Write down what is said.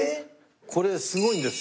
これすごいんですよ。